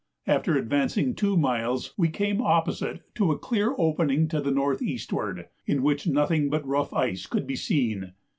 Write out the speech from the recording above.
After advancing two miles we came opposite to a clear opening to the north eastward, in which nothing but rough ice could be seen.